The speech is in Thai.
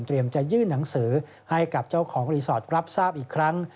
จะยื่นหนังสือให้กับเจ้าของรีสอร์ทรับทราบอีกครั้ง